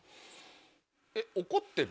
えっ怒ってる？